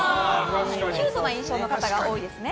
キュートな印象の方が多いですね。